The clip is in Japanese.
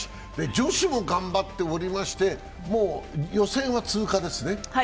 女子も頑張っておりまして、もう予選は通過ですね。